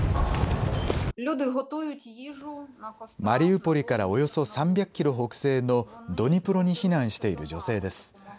マリウポリからおよそ３００キロ北西のドニプロに避難している女性です。